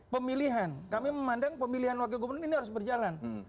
pemilihan kami memandang pemilihan wakil gubernur ini harus berjalan